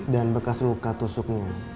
dan bekas luka tusuknya